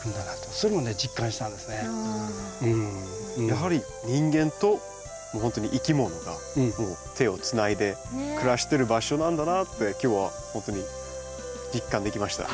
やはり人間とほんとにいきものが手をつないで暮らしてる場所なんだなって今日はほんとに実感できました。